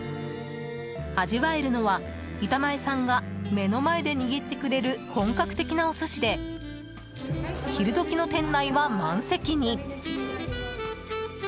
味わえるのは板前さんが目の前で握ってくれる本格的なお寿司で昼時の店内は満席に。